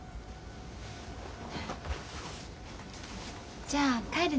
じゃあ帰るね。